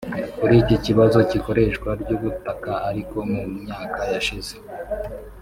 Kuri iki kibazo cy’ikoreshwa ry’ubutaka ariko mu myaka yashize